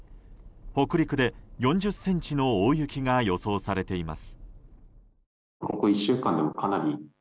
北陸で４０ｃｍの大雪が予想されています。